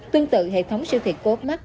tương tự hệ thống siêu thị coop max